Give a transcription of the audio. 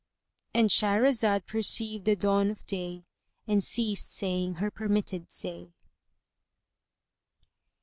——And Shahrazad perceived the dawn of day and ceased saying her permitted say.